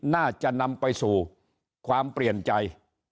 น่าจะนำไปสู่ความเปลี่ยนใจ